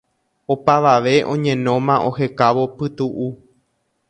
Opavave oñenóma ohekávo pytu'u